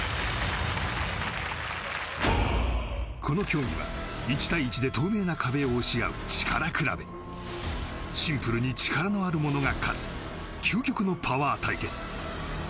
この競技は１対１で透明な壁を押し合う力比べシンプルに力のある者が勝つ究極のパワー対決